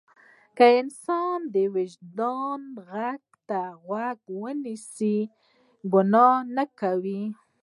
که انسان د وجدان غږ ته غوږ ونیسي ګناه نه کوي.